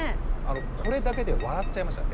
これだけで笑っちゃいました。